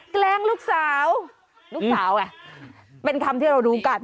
แกล้งลูกสาวลูกสาวไงเป็นคำที่เรารู้กัน